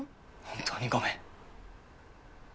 本当にごめん。